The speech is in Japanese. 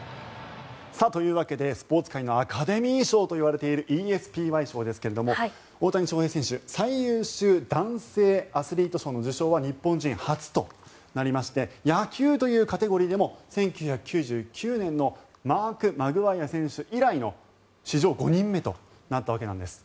というわけでスポーツ界のアカデミー賞といわれているＥＳＰＹ賞ですが大谷翔平選手最優秀男性アスリート賞の受賞は日本人初となりまして野球というカテゴリーでも１９９９年のマーク・マグワイア選手以来の史上５人目となったわけなんです。